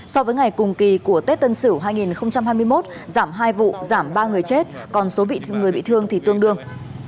so với ngày cùng kỳ của tết tân sửu hai nghìn hai mươi một giảm hai vụ giảm ba người chết còn số người bị thương thì tương đương